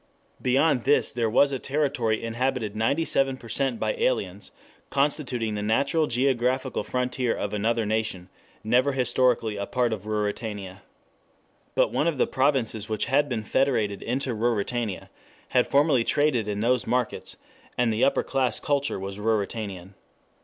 Beyond this there was a territory inhabited 97% by aliens, constituting the natural geographical frontier of another nation, never historically a part of Ruritania. But one of the provinces which had been federated into Ruritania had formerly traded in those markets, and the upper class culture was Ruritanian.